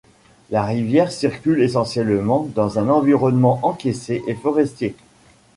La rivière circule essentiellement dans un environnement encaissé et forestier.